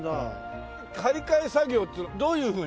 張り替え作業っつうのはどういうふうに？